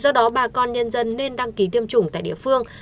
do đó bà con nhân dân nên đăng ký tiêm chủng tại địa phương